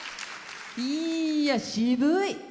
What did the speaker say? いや、渋い！